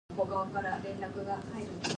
看着似人建模能不笑也是神人